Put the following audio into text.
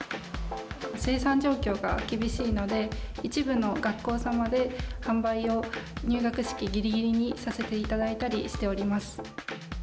生産状況が厳しいので、一部の学校様で、販売を入学式ぎりぎりにさせていただいたりしております。